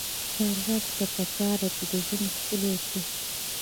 چارواکو ته پکار ده چې، ژوند ښکلی کړي.